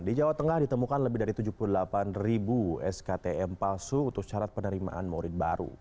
di jawa tengah ditemukan lebih dari tujuh puluh delapan ribu sktm palsu untuk syarat penerimaan murid baru